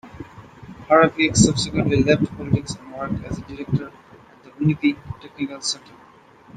Harapiak subsequently left politics, and worked as a director at the Winnipeg Technical Centre.